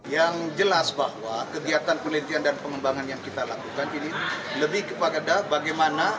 yang jelas bahwa kegiatan penelitian dan pengembangan yang kita lakukan ini lebih kepada bagaimana